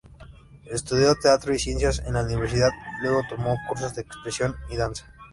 Estudió teatro y ciencias en la universidad, luego tomó cursos de expresión y danza.